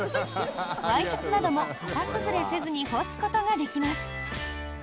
ワイシャツなども、型崩れせずに干すことができます。